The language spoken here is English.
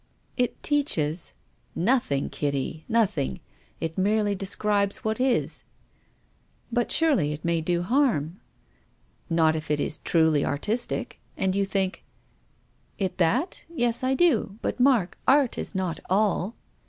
" It teaches " "Nothing, Kitty — nothing. It mere ly describes what is." " But surely it may do harm." " Not if it is truly artistic. And you think "" It that ? Yes, I do. But, Mark, art is not all."